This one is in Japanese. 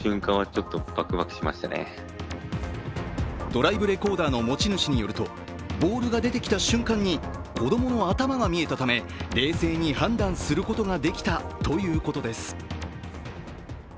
ドライブレコーダーの持ち主によると、ボールが出てきた瞬間に子供の頭が見えたため冷静に判断することができたということです。